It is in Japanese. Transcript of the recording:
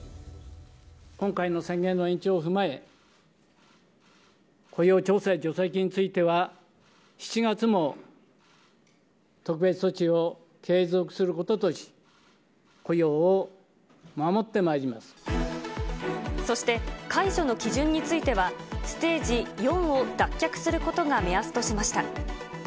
今回の宣言の延長を踏まえ、雇用調整助成金については７月も特別措置を継続することとし、そして、解除の基準についてはステージ４を脱却することが目安としました。